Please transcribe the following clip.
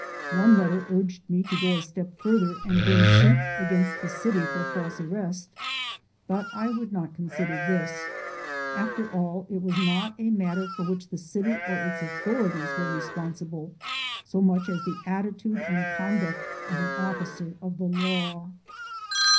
One letter urged me to go a step further and bring suit against the city for false arrest, but I would not consider this. After all, it was not a matter for which the city or its authorities were responsible, so much as the attitude and conduct of an officer of the law.